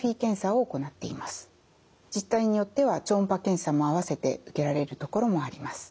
自治体によっては超音波検査も併せて受けられるところもあります。